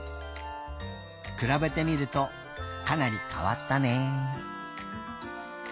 くらべてみるとかなりかわったね。